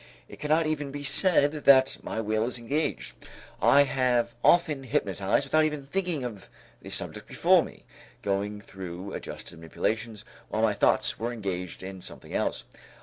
It cannot even be said that my will is engaged. I have often hypnotized without even thinking of the subject before me, going through adjusted manipulations while my thoughts were engaged in something else.